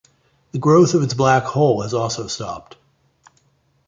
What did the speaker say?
The growth of its black hole has also stopped.